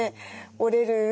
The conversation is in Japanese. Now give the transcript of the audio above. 折れる。